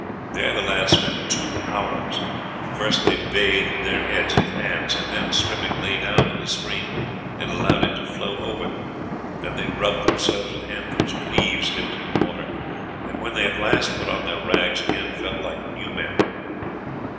There the lads spent two hours. First they bathed their heads and hands, and then, stripping, lay down in the stream and allowed it to flow over them, then they rubbed themselves with handfuls of leaves dipped in the water, and when they at last put on their rags again felt like new men.